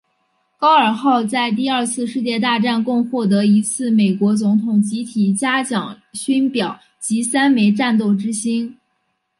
高尔号在第二次世界大战共获得一次美国总统集体嘉奖勋表及三枚战斗之星。